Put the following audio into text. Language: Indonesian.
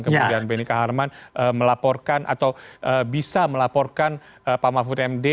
kemudian benny kaharman melaporkan atau bisa melaporkan pak mahfud md